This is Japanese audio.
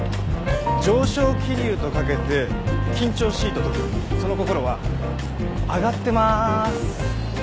上昇気流と掛けて緊張しいと解くその心は上がってまーす。